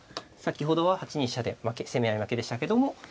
先ほどは８二飛車で攻め合い負けでしたけども。